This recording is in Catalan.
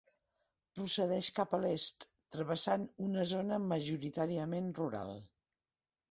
Procedeix cap a l'est, travessant una zona majoritàriament rural.